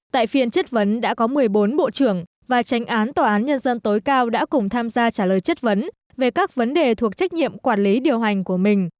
tại phiên chất vấn đã có một mươi bốn bộ trưởng và tranh án tòa án nhân dân tối cao đã cùng tham gia trả lời chất vấn về các vấn đề thuộc trách nhiệm quản lý điều hành của mình